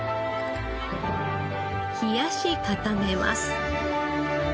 冷やし固めます。